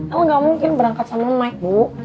aku gak mungkin berangkat sama mike bu